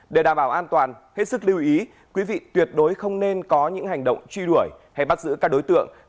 để đảm bảo an toàn hết sức lưu ý quý vị tuyệt đối không nên có những hành động truy đuổi hay bắt giữ các đối tượng